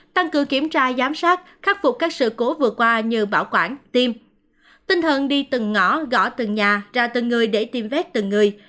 tinh thần đi từng ngõ gõ từng nhà ra từng người để tiêm vét từng người